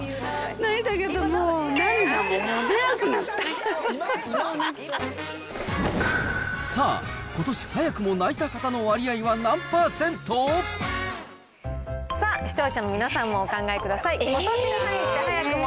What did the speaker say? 泣いたけどもう、さあ、ことし早くも泣いた方の割合は何％？さあ、視聴者の皆さんもお考えください。